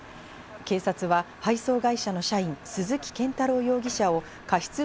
警察は配送会社の社員・鈴木健太郎容疑者を過失